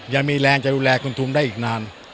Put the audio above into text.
ยังมีแรงจะดูแลคุณทุมได้อีกนาน